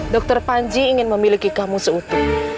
dokter panji ingin memiliki kamu seutuh